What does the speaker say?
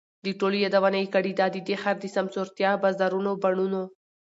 د ټولو یادونه یې کړې ده، د دې ښار د سمسورتیا، بازارونو، بڼونو،